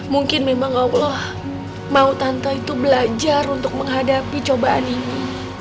mungkin memang allah mau tante itu belajar untuk menghadapi cobaan ini